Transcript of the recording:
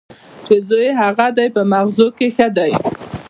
چې زوی یې هغه دی په مغزو کې ښه دی.